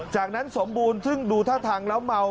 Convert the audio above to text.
จากนั้นสมบูรณ์ซึ่งดูท่าทางแล้วเมา